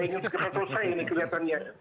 ingin segera selesai ini kelihatannya